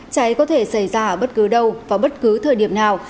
cháy có thể xảy ra ở bất cứ đâu vào bất cứ thời điểm nào